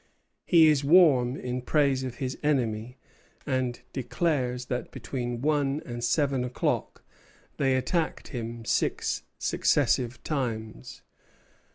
He is warm in praise of his enemy, and declares that between one and seven o'clock they attacked him six successive times.